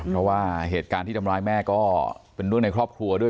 เพราะว่าเหตุการณ์ที่ทำร้ายแม่ก็เป็นเรื่องในครอบครัวด้วย